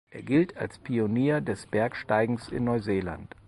Er gilt als Pionier des Bergsteigens in Neuseeland.